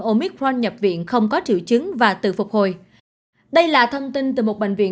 omicron nhập viện không có triệu chứng và tự phục hồi đây là thông tin từ một bệnh viện